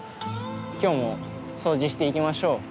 今日も掃除していきましょう。